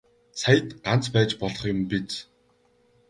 Саяд ганц байж болох юм биз.